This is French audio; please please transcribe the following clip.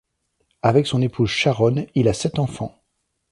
Avec son épouse Sharon, il a sept enfants.